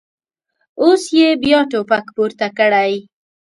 اوس یې بیا ټوپک پورته کړی.